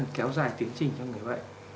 kéo dài tiến trình cho người bệnh